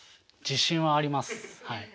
自信あります？